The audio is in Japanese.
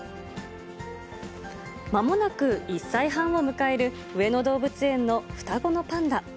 まもなく１歳半を迎える上野動物園の双子のパンダ。